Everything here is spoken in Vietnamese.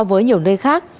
so với nhiều nơi khác